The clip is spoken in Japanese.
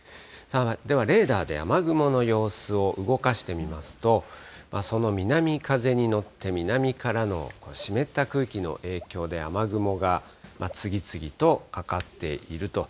では、レーダーで雨雲の様子を動かしてみますと、その南風に乗って、南からの湿った空気の影響で、雨雲が次々とかかっていると。